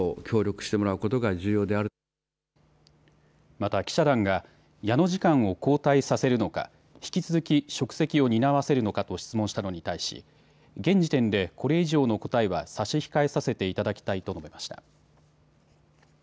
また記者団が矢野次官を交代させるのか引き続き職責を担わせるのかと質問したのに対し現時点でこれ以上の答えは差し控えさせていただきたいと述べました。